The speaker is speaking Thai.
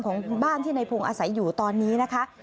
ของบ้านที่ในพงศ์อาศัยอยู่ตอนนี้นะคะ